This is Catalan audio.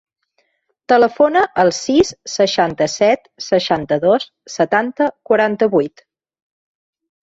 Telefona al sis, seixanta-set, seixanta-dos, setanta, quaranta-vuit.